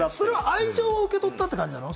愛情を受け取ったって感じたの。